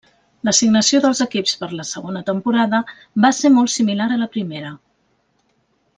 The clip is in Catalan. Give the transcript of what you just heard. L'assignació dels equips per la segona temporada va ser molt similar a la primera.